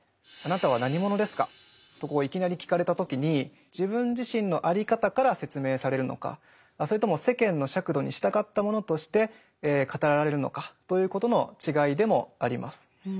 「あなたは何者ですか？」といきなり聞かれた時に自分自身のあり方から説明されるのかそれとも世間の尺度に従ったものとして語られるのかということの違いでもあります。